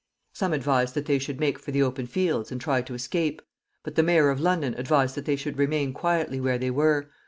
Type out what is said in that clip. Some advised that they should make for the open fields, and try to escape; but the mayor of London advised that they should remain quietly where they were.